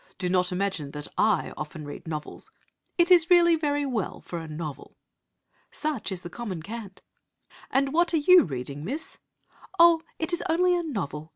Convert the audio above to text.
Do not imagine that 'I often read novels. It is really very well for a novel.' Such is the common cant. 'And what are you reading, Miss ?' 'Oh! it is only a novel!'